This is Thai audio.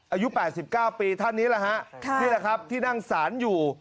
อายุ๘๙ปีท่านนี้แหละฮะนี่แหละครับที่นั่งสารอยู่